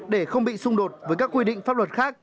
để không bị xung đột với các quy định pháp luật khác